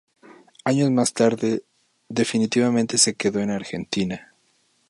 Años más tarde definitivamente se quedó en Argentina.